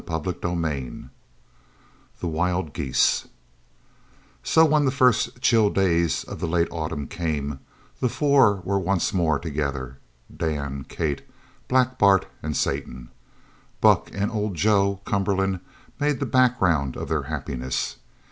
CHAPTER XXXVIII THE WILD GEESE So when the first chill days of the late autumn came the four were once more together, Dan, Kate, Black Bart, and Satan. Buck and old Joe Cumberland made the background of their happiness.